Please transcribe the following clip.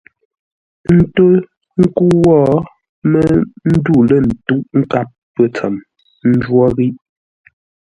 Ə́ ntó ńkə́u wó mə́ ndû lə̂ ntə́uʼ nkâp pə̂ ntsəm; ə́ njwó ghíʼ.